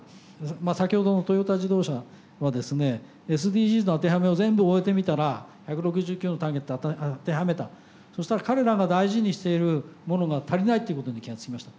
まあ先ほどのトヨタ自動車はですねＳＤＧｓの当てはめを全部終えてみたら１６９のターゲットを当てはめたそしたら彼らが大事にしているものが足りないっていうことに気が付きました。